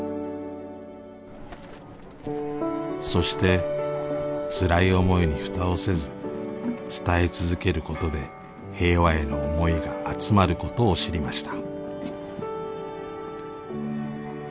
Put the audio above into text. そしてつらい思いにフタをせず伝え続けることで平和への思いが集まることを知りました。